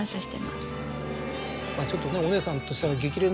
ちょっとねお姉さんとしたら。